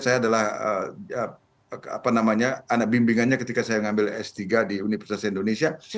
saya adalah anak bimbingannya ketika saya mengambil s tiga di universitas indonesia